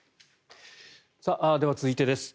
では、続いてです。